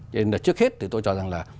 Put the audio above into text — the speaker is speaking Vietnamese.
trước hết thì tôi cho rằng là